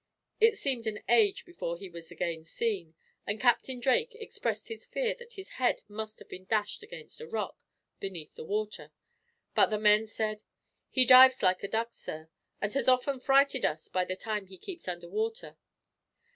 It seemed an age before he was again seen, and Captain Drake expressed his fear that his head must have been dashed against a rock, beneath the water. But the men said: "He dives like a duck, sir, and has often frighted us by the time he keeps under water.